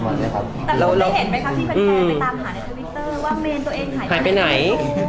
แต่เราได้เห็นไหมครับที่แฟนไปตามหาในทวิตเตอร์ว่าเมนตัวเองหายไปไหน